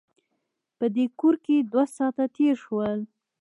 په دې کور کې دوه ساعته تېر شول.